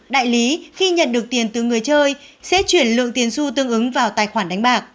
đại lý khi nhận được tiền từ người chơi sẽ chuyển lượng tiền su tương ứng vào tài khoản đánh bạc